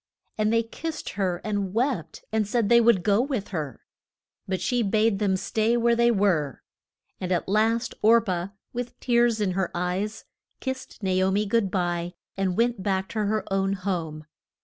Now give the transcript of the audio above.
And they kissed her and wept and said they would go with her. But she bade them stay where they were, and at last Or pah, with tears in her eyes, kissed Na o mi good bye and went back to her own home.